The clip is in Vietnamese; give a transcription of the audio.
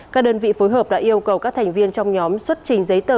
các đơn vị phối hợp đã yêu cầu các thành viên trong nhóm xuất trình giấy tờ